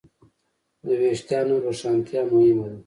د وېښتیانو روښانتیا مهمه ده.